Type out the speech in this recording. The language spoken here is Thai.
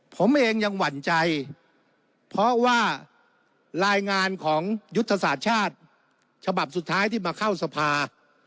ผมเองยังหวั่นใจเพราะว่ารายงานของยุทธศาสตร์ชาติฉบับสุดท้ายที่มาเข้าสภา